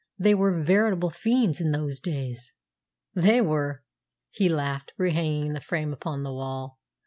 "They were veritable fiends in those days." "They were," he laughed, rehanging the frame upon the wall.